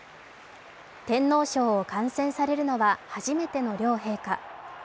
天皇賞を観戦されるのは初めての両陛下。